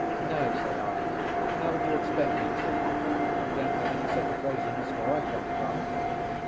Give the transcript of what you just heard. "No," said I. "How would you expect me to? We don't have any such craziness where I come from."